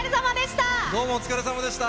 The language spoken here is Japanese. どうもお疲れさまでした。